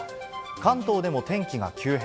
関東でも天気が急変。